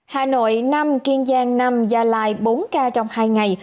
hà nội năm kiên giang năm gia lai bốn ca trong hai ngày